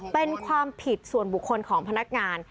เป็นความผิดส่วนบุคคลของพนักงาน